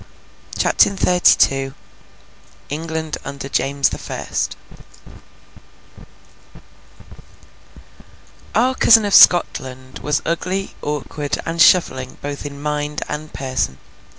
CHAPTER XXXII ENGLAND UNDER JAMES THE FIRST 'Our cousin of Scotland' was ugly, awkward, and shuffling both in mind and person.